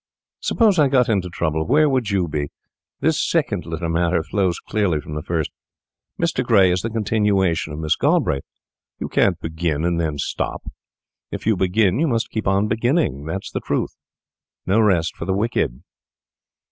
Suppose I got into trouble, where would you be? This second little matter flows clearly from the first. Mr. Gray is the continuation of Miss Galbraith. You can't begin and then stop. If you begin, you must keep on beginning; that's the truth. No rest for the wicked.